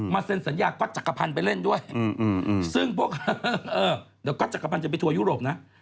เซ็นสัญญาก๊อตจักรพันธ์ไปเล่นด้วยซึ่งพวกเดี๋ยวก็จักรพันธ์จะไปทัวร์ยุโรปนะ